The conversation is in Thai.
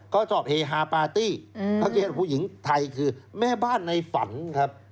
ก็ชอบเฮฮาปาร์ตี้สังเกตผู้หญิงไทยคือแม่บ้านในฝันครับ